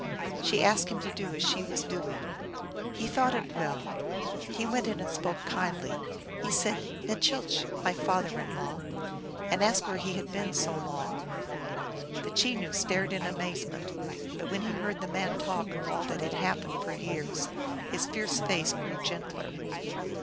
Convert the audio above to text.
She asked him to do as she was doing. He thought it well. He went in and spoke kindly. He said, "^Y cMcA," " My father in law," and asked where he had been so long. The Cheiioo stared in amazement, but when he heard the man talk of all that had happened for years his fierce face grew gentler.